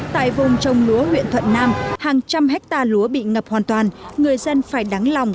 tại vùng trồng lúa huyện thuận nam hàng trăm hectare lúa bị ngập hoàn toàn người dân phải đắng lòng